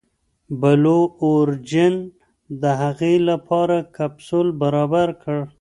بلو اوریجن د هغې لپاره کپسول برابر کړ.